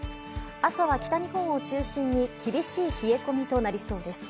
朝は北日本を中心に厳しい冷え込みとなりそうです。